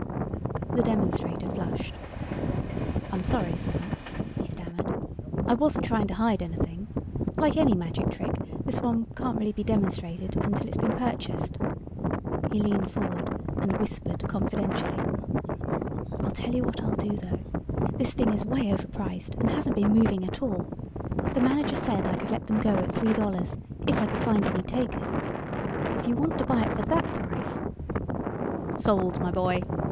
The demonstrator flushed. "I'm sorry, sir," he stammered. "I wasn't trying to hide anything. Like any magic trick this one can't be really demonstrated until it has been purchased." He leaned forward and whispered confidentially. "I'll tell you what I'll do though. This thing is way overpriced and hasn't been moving at all. The manager said I could let them go at three dollars if I could find any takers. If you want to buy it for that price...." "Sold, my boy!"